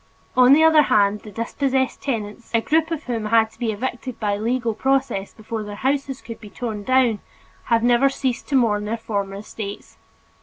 On the other hand, the dispossessed tenants, a group of whom had to be evicted by legal process before their houses could be torn down, have never ceased to mourn their former estates.